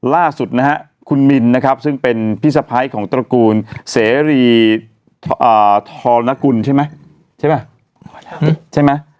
ล่าสุดนะครับคุณมิลซึ่งเป็นพิสภัยของตระกูลเสรีธรนกุลใช่ไหม